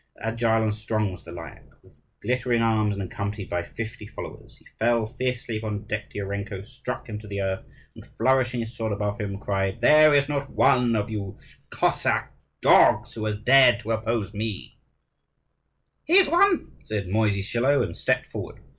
Agile and strong was the Lyakh, with glittering arms, and accompanied by fifty followers. He fell fiercely upon Degtyarenko, struck him to the earth, and, flourishing his sword above him, cried, "There is not one of you Cossack dogs who has dared to oppose me." "Here is one," said Mosiy Schilo, and stepped forward.